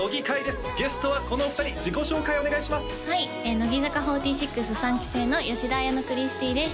乃木坂４６３期生の吉田綾乃クリスティーです